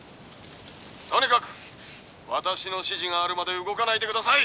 とにかく私の指示があるまで動かないで下さい！」。